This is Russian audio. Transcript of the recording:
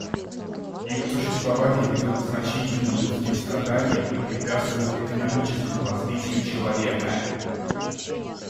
Их существование ведет к значительным людским страданиям и препятствует экономическому развитию человека.